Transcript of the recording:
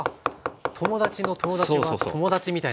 友達の友達は友達みたいな。